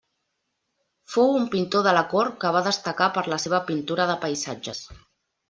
Fou un pintor de la cort que va destacar per la seva pintura de paisatges.